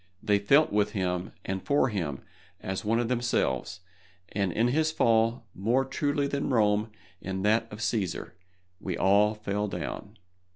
They felt with him and for him as one of themselves, and in his fall, more truly than Rome in that of Cæsar, we all fell down.